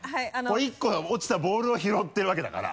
この１個の落ちたボールを拾ってるわけだから。